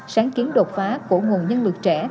sáng kiến đột phá của nguồn nhân lực trẻ